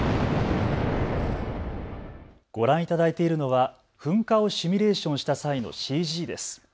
ご覧いただいているのは噴火をシミュレーションした際のＣＧです。